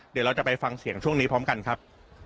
เดี๋ยวเราจะไปฟังเสียงช่วงนี้พร้อมกันครับ